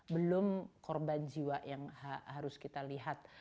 belum korban jiwa yang harus kita lihat